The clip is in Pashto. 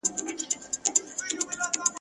په ښایستو بڼو کي پټ رنګین وو ښکلی !.